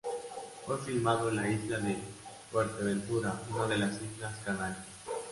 Fue filmado en la isla de Fuerteventura, una de las Islas Canarias.